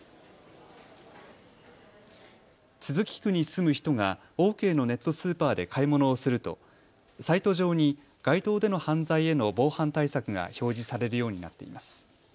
都筑区に住む人がオーケーのネットスーパーで買い物をするとサイト上に街頭での犯罪への防犯対策が表示されるようになっています。